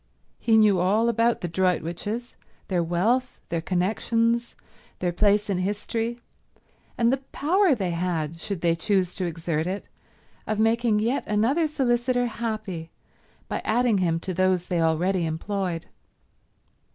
He knew all about the Droitwiches, their wealth, their connections, their place in history, and the power they had, should they choose to exert it, of making yet another solicitor happy by adding him to those they already employed.